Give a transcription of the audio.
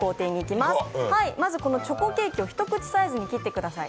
まずこのチョコケーキを一口サイズに切ってください。